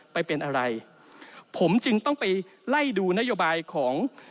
ไปเป็นอะไรผมจึงต้องไปไล่ดูนโยบายของ